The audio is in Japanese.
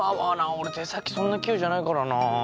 俺手先そんな器用じゃないからなぁ。